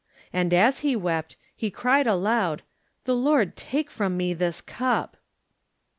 And as he wept he cried aloud, "The Lord take from me this cup."